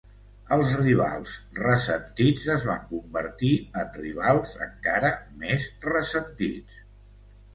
Els rivals ressentits es van convertir en rivals encara més ressentits.